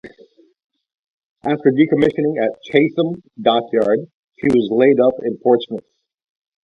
After decommissioning at Chatham Dockyard, she was laid up in Portsmouth.